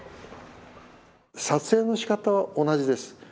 撮影のしかたは同じです。